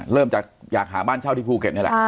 เริ่มจากอยากหาบ้านเช่าที่ภูเก็ตนี่แหละ